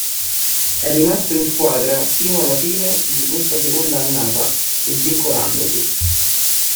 È rimasto in squadra sino alla fine di questa seconda annata, svincolandosi.